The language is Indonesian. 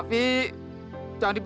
sedar juga hari ini